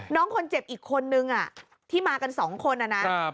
น้องคนเจ็บอีกคนนึงที่มากันสองคนนะ